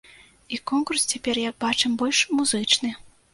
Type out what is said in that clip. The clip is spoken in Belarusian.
І конкурс цяпер, як бачым, больш музычны.